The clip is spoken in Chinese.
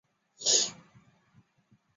小臭鼩为鼩鼱科臭鼩属的动物。